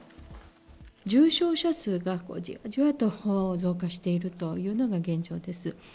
重症者数がじわじわと増加しているというのが現状です。